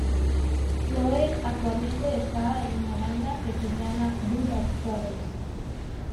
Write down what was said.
Floyd actualmente está en una banda que se llama "Buddha Brothers".